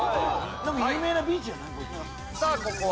有名なビーチじゃない？